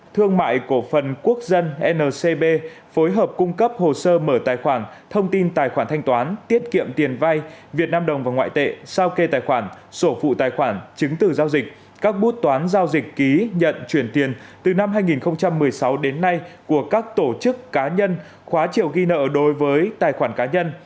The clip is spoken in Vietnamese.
thương mại của phần quốc dân ncb phối hợp cung cấp hồ sơ mở tài khoản thông tin tài khoản thanh toán tiết kiệm tiền vai việt nam đồng và ngoại tệ sao kê tài khoản sổ phụ tài khoản chứng từ giao dịch các bút toán giao dịch ký nhận chuyển tiền từ năm hai nghìn một mươi sáu đến nay của các tổ chức cá nhân khóa triệu ghi nợ đối với tài khoản cá nhân